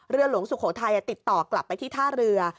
หลวงสุโขทัยติดต่อกลับไปที่ท่าเรือ